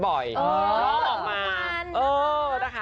หลอกมา